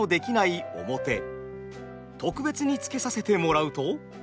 特別につけさせてもらうと。